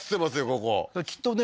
ここきっとね